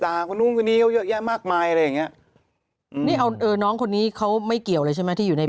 ด่างว่านุ่มกว่านี้เขาเยอะแยะมากมายอะไรอย่างเงี้ยนี่เอาน้องคนนี้เขาไม่เกี่ยวเลยใช่ไหม